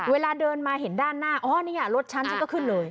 เวลาเดินมาเห็นด้านหน้าอ๋อนี่ไงรถฉันฉันก็ขึ้นเลย